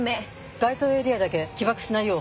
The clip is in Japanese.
該当エリアだけ起爆しないよう